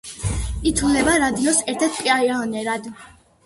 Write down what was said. ითვლება რადიოს ერთ-ერთ პიონერად.